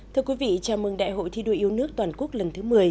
thưa quý vị chào mừng đại hội thi đua yêu nước toàn quốc lần thứ một mươi